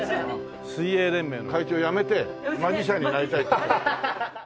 水泳連盟の会長辞めてマジシャンになりたいって。